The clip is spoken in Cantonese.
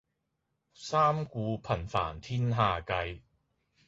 三顧頻煩天下計